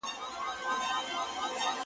دومره ساده نه یم چي خپل قاتل مي وستایمه-